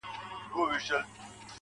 زما ځواني دي ستا د زلفو ښامارونه وخوري~